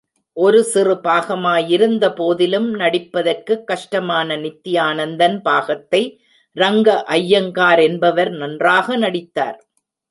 ஒரு சிறு பாகமாயிருந்த போதிலும், நடிப்பதற்குக் கஷ்டமான நித்யானந்தன் பாகத்தை, ரங்க அய்யங்கார் என்பவர் நன்றாக நடித்தார்.